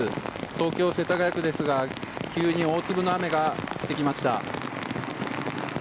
東京・世田谷区ですが急に大粒の雨が降ってきました。